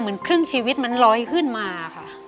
เหมือนครึ่งชีวิตมันลอยขึ้นมาค่ะ